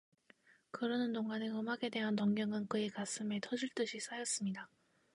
그러는 동안에 음악에 대한 동경은 그의 가슴에 터질 듯이 쌓였습니다.